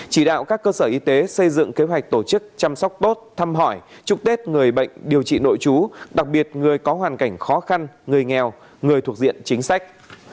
chỉ đạo các cơ sở y tế xây dựng kế hoạch tổ chức chăm sóc tốt thăm hỏi chúc tết người bệnh điều trị nội chú đặc biệt người có hoàn cảnh khó khăn người nghèo người thuộc diện chính sách